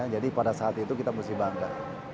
jadi pada saat itu kita mesti bangga